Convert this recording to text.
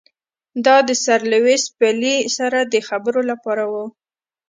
دا د سر لیویس پیلي سره د خبرو لپاره وو.